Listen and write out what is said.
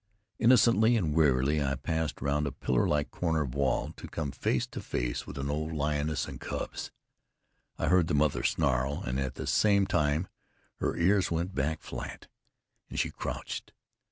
Innocently and wearily I passed round a pillar like corner of wall, to come face to face with an old lioness and cubs. I heard the mother snarl, and at the same time her ears went back flat, and she crouched.